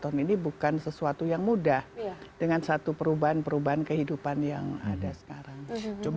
dan kami sendiri juga tetap mengikuti situasi yang ada dengan generasi muda sekarang